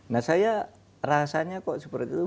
nah saya rasanya kok seperti itu